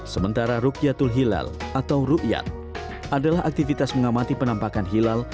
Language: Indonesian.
sementara rukyatul hilal atau rukyat adalah aktivitas mengamati penampakan hilal